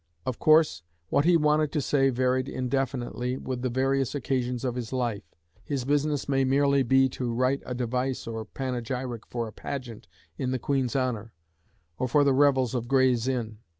Of course, what he wanted to say varied indefinitely with the various occasions of his life. His business may merely be to write "a device" or panegyric for a pageant in the Queen's honour, or for the revels of Gray's Inn.